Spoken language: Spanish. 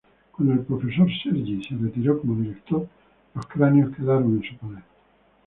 Cuando el profesor Sergi se retiró como director, los cráneos quedaron en su poder.